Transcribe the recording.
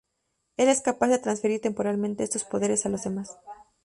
Él es capaz de transferir temporalmente estos poderes a los demás.